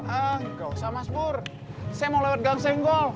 enggak usah mas pur saya mau lewat gang senggol